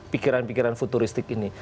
pikiran pikiran futuristik ini